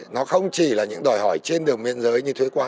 nó không chỉ là những đòi hỏi trên đường miên giới